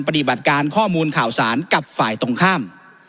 ปฏิบัติการข้อมูลข่าวสารกับฝ่ายตรงข้าม